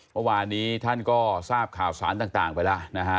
เมื่อวานนี้ท่านก็ทราบข่าวสารต่างไปแล้วนะฮะ